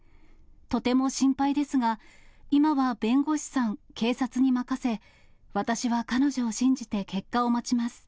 とても心配ですが、今は弁護士さん、警察に任せ、私は彼女を信じて結果を待ちます。